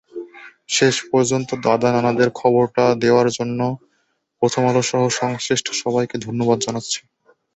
শেষ পর্যন্ত দাদা-নানাদের খবরটা দেওয়ার জন্য প্রথম আলোসহ সংশ্লিষ্ট সবাইকে ধন্যবাদ জানাচ্ছি।